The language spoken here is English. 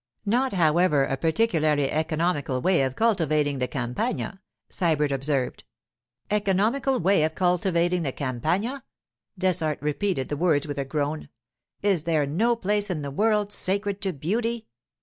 'Not, however, a particularly economical way of cultivating the Campagna,' Sybert observed. 'Economical way of cultivating the Campagna!' Dessart repeated the words with a groan. 'Is there no place in the world sacred to beauty?